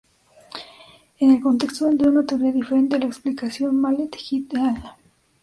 En el contexto de una teoría diferente de la explicación, Malle et al.